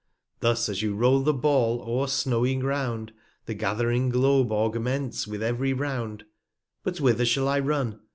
Thus, as you roll the Ball o'er snowy Ground, The gath'ring Globe augments with ev'ry Round; But whither shall I run